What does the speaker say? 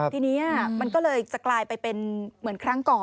ทีนี้มันก็เลยจะกลายไปเป็นเหมือนครั้งก่อน